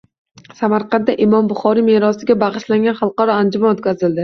Samarqandda Imom Buxoriy merosiga bag‘ishlangan xalqaro anjuman o‘tkaziladi